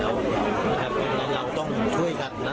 เราต้องช่วยกันนะ